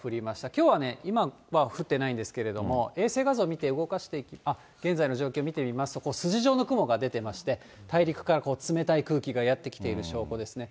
きょうはね、今は降ってないんですけれども、衛星画像を見て動かして、現在の状況を見てみますと、筋状の雲が出てまして、大陸から冷たい空気がやって来ている証拠ですね。